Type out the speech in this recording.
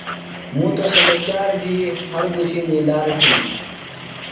مُتوۡ سینتہ چار بھی، ہر دُشیۡ نِیلار بھی